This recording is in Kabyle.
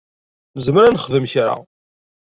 Nezmer ad nexdem kra.